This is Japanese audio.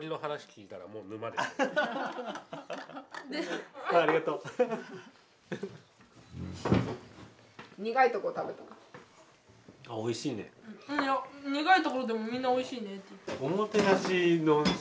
いや苦いところでもみんなおいしいねって。